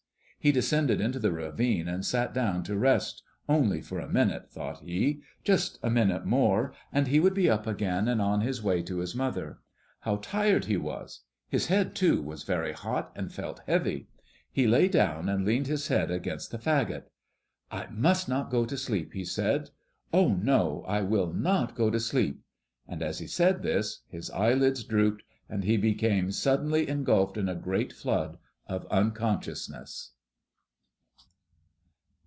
He descended into the ravine and sat down to rest, only for a minute, thought he, just a minute more, and he would be up again and on his way to his mother. How tired he was! His head, too, was very hot, and felt heavy. He lay down and leaned his head against the fagot. "I must not go to sleep," he said. "Oh, no, I will not go to sleep;" and as he said this, his eyelids drooped, and he became suddenly engulfed in a great flood of unconsciousness.